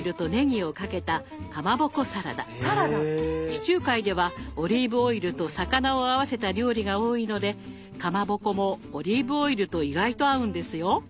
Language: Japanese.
地中海ではオリーブオイルと魚を合わせた料理が多いのでかまぼこもオリーブオイルと意外と合うんですよ。